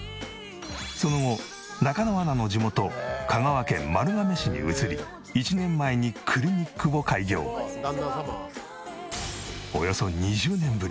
その後中野アナの地元香川県丸亀市に移り１年前にクリニックを開業。を送っている。